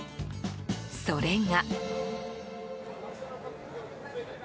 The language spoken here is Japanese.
それが。